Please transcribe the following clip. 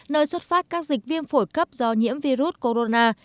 nơi xuất phát các dịch viêm phổi cấp do nhiễm virus corona